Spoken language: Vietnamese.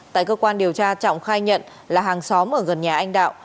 tại cơ quan điều tra trọng khai nhận là hàng xóm ở gần nhà anh đạo